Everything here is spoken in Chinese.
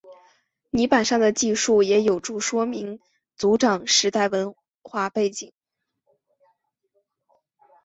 泥版上的记述也有助说明族长时代的文化背景。